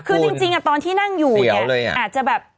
คือจริงตอนที่นั่งอยู่เนี่ยอาจจะแบบ